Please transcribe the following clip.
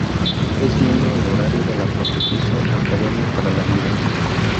Es miembro honorario de la Pontificia Academia para la Vida.